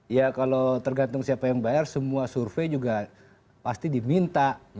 ya kalau tergantung siapa yang bayar semua survei juga pasti diminta